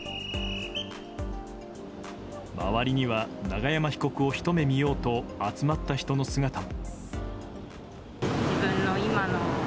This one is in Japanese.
周りには永山被告をひと目見ようと集まった人の姿も。